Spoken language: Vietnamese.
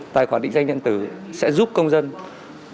tài khoản định danh điện tử sẽ giúp công an huyện đầm hà